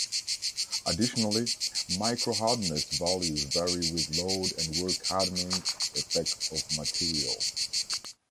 Additionally, microhardness values vary with load and work-hardening effects of materials.